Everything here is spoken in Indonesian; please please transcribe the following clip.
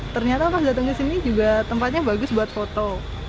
ternyata pas datang ke sini juga tempatnya bagus buat foto